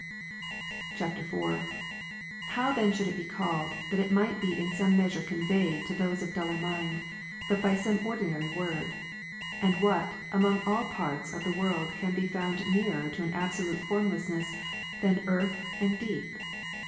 [IV.] 4. How then should it be called, that it might be in some measure conveyed to those of duller mind, but by some ordinary word ? And what, among all parts of the world can be found nearer to an absolute formlessness than earth and deep